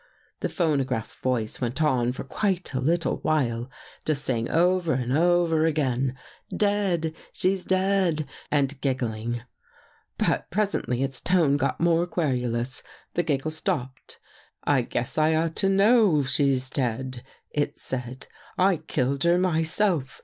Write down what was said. The phonograph voice went on for quite a little while, just saying over and over again —' Dead 1 She's dead,' and giggling. " But presently its tone got more querulous. The giggle stopped. ' I guess I ought to know 159 THE GHOST GIRL she's dead,' it said. ' I killed her myself.